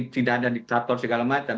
tidak ada diktator segala macam